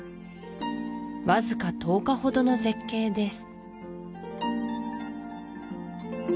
わずか１０日ほどの絶景です